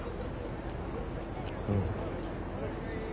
うん。